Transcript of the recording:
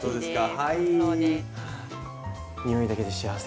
は匂いだけで幸せ。